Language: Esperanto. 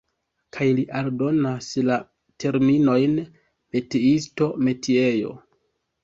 Kaj li aldonas la terminojn "metiisto", "metiejo".